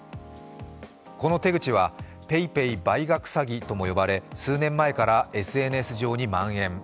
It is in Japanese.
この手口はＰａｙＰａｙ倍額詐欺とも呼ばれ数年前からＳＮＳ上にまん延。